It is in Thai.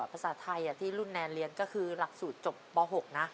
ภาษาไทยที่รุ่นแนนเรียนก็คือหลักสูตรจบป๖นะ